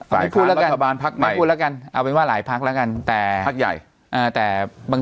ไม่พูดแล้วกันเอาเป็นว่าหลายพักแล้วกัน